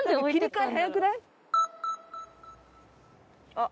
あっ！